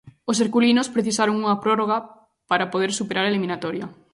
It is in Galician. Os herculinos precisaron unha prórroga para poder superar a eliminatoria.